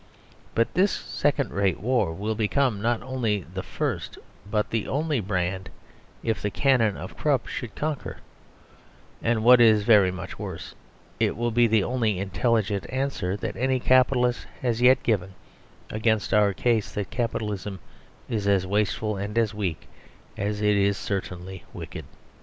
But this second rate war will become not only the first but the only brand, if the cannon of Krupp should conquer; and, what is very much worse, it will be the only intelligent answer that any capitalist has yet given against our case that Capitalism is as wasteful and as weak as it is certainly wicked.